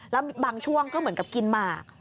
แล้วบางช่วงก็เหมือนกับกินหมาก